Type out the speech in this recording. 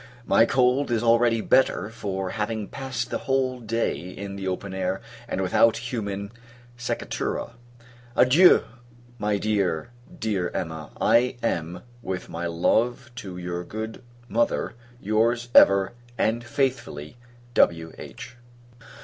My cold is already better for having passed the whole day in the open air, and without human seccatura. Adieu! my dear, dear Emma. I am, with my love to your good mother, your's ever, and faithfully, W.H.